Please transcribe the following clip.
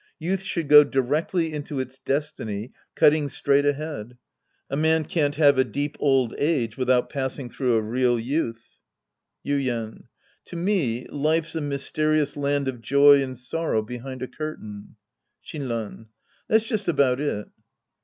Youth should go directly into its destiny cutting straight ahead. A man can't have a deep old age without passing through a real youth. Yuien. To me life's a mysterious land of joy and sorrow behind a curtain. Shinran. That's just about it.